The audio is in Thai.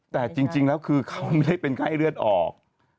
แต่จริงแล้วคือเขาไม่ได้เป็นไข้เลือดออก